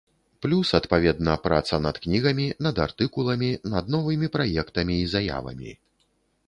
Плюс, адпаведна, праца над кнігамі, над артыкуламі, над новымі праектамі і заявамі.